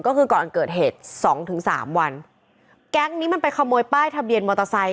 ก็คือก่อนเกิดเหตุสองถึงสามวันแก๊งนี้มันไปขโมยป้ายทะเบียนมอเตอร์ไซค